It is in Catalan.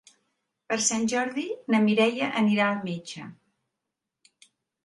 Per Sant Jordi na Mireia anirà al metge.